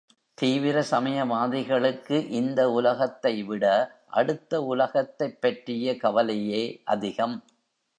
தீவிர சமயவாதிகளுக்கு இந்த உலகத்தை விட அடுத்த உலகத்தைப் பற்றிய கவலையே அதிகம்.